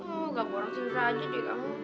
oh gak bohong tidur aja deh kamu